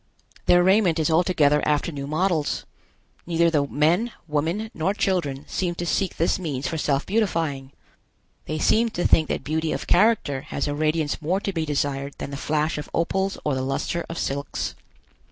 Their raiment is altogether after new models. Neither the men, women, nor children seem to seek this means for self beautifying. They seem to think that beauty of character has a radiance more to be desired than the flash of opals or the luster of silks.